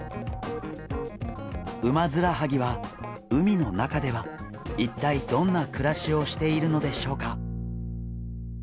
ウマヅラハギは海の中では一体どんな暮らしをしているのでしょうか？